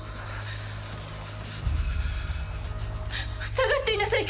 下がっていなさい